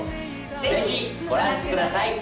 ぜひご覧ください。